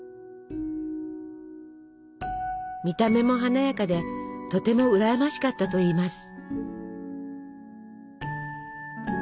見た目も華やかでとてもうらやましかったといいます。